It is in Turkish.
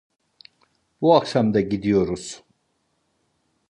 Bu akşam da gidiyoruz…